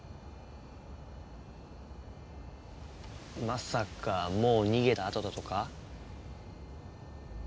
まさかもう逃げたあとだとか？